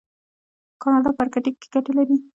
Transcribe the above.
کاناډا په ارکټیک کې ګټې لري.